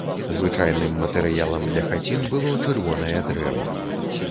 Звычайным матэрыялам для хацін было чырвонае дрэва.